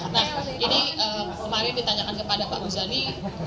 nah ini kemarin ditanyakan kepada pak muzani